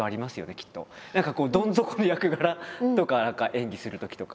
何かどん底の役柄とか演技するときとか。